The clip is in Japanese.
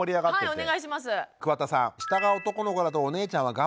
はいお願いします。